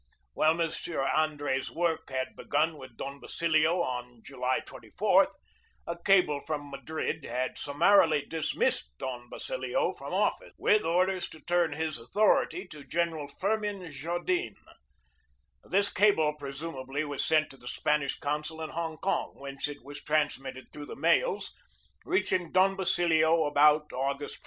While M. Andre's work had begun with Don Basilio on July 24, a cable from Madrid had sum marily dismissed Don Basilio from office, with orders to turn over his authority to General Firmin Jau 274 GEORGE DEWEY denes. This cable presumably was sent to the Span ish consul in Hong Kong, whence it was transmit ted through the mails, reaching Don Basilio about August i.